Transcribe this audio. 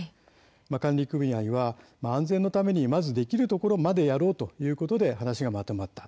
管理組合は安全のためにまずできるところまでやろうということで話がまとまった。